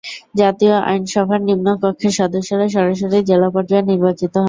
জাতীয় আইনসভার নিম্ন কক্ষের সদস্যরা সরাসরি জেলা পর্যায়ে নির্বাচিত হন।